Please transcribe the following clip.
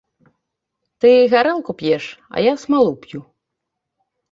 Ты гарэлку п'еш, а я смалу п'ю.